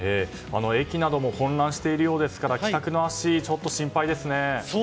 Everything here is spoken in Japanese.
駅なども混乱しているようですから帰宅の足、ちょっと心配ですね。